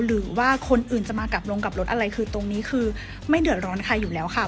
หรือว่าคนอื่นจะมากลับลงกับรถอะไรคือตรงนี้คือไม่เดือดร้อนใครอยู่แล้วค่ะ